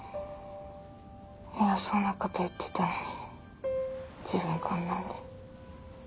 偉そうなこと言ってたのに自分こんなんで。